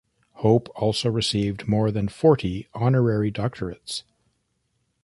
Hope also received more than forty honorary doctorates.